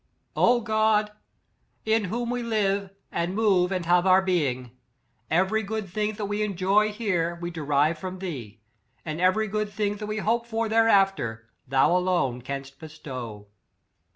" O God! in whom we live, and move and have our being. Every good thing that we enjoy here, we derive from thee, and every good thing that we hope for hereafter, thou alone canst bestow.